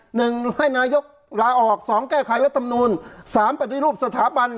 ๑ให้นายกระออก๒แก้ไขการละตำนูน๓ปฏิลูกสถาบัน